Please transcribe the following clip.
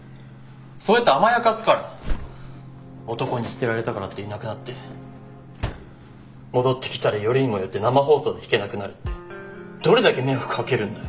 そうやって甘やかすから男に捨てられたからっていなくなって戻ってきたらよりにもよって生放送で弾けなくなるってどれだけ迷惑かけるんだよ。